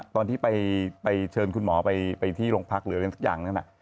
ตอนที่ไปเชิญคุณหมอไปที่โรงพักหรืออะไรสักอย่างนั้น